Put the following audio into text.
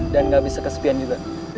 dan gak bisa kesepian juga